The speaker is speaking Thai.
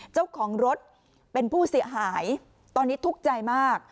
เจ้าของรถเป็นผู้เสียหายตอนนี้ทุกข์ใจมาก